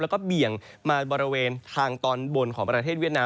แล้วก็เบี่ยงมาบริเวณทางตอนบนของประเทศเวียดนาม